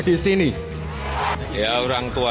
di sini ya orang tua